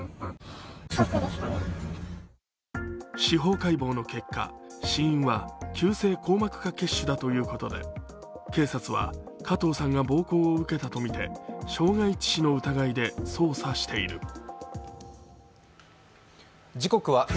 司法解剖の結果死因は急性硬膜下血腫だということで警察は加藤さんが暴行を受けたとみて、傷害致死の疑いで捜査している。